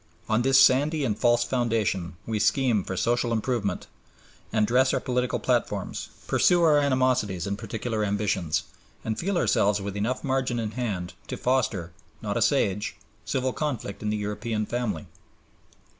On this sandy and false foundation we scheme for social improvement and dress our political platforms, pursue our animosities and particular ambitions, and feel ourselves with enough margin in hand to foster, not assuage, civil conflict in the European family.